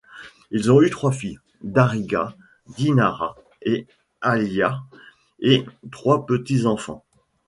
Ils ont eu trois filles, Dariga, Dinara et Aliya, et trois petits-enfants.